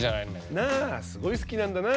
なあすごい好きなんだな。